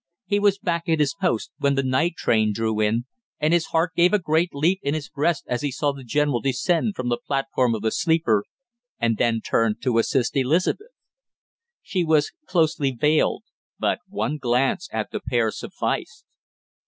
He was back at his post when the night train drew in, and his heart gave a great leap in his breast as he saw the general descend from the platform of the sleeper and then turn to assist Elizabeth. She was closely veiled, but one glance at the pair sufficed.